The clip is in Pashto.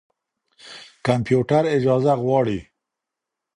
کمپيوټر اجازه غواړي.